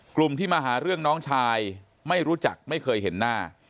กลุ่มที่มาหาเรื่องน้องชายไม่รู้จักไม่เคยเห็นหน้า